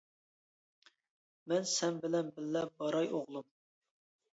-مەن سەن بىلەن بىللە باراي ئوغلۇم!